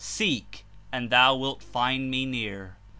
Seek, and thou wilt find Me near."